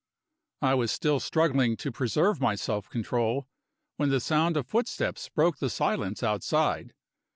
I was still struggling to preserve my self control, when the sound of footsteps broke the silence outside.